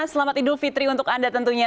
selamat idul fitri untuk anda tentunya